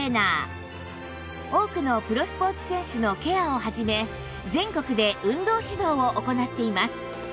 多くのプロスポーツ選手のケアを始め全国で運動指導を行っています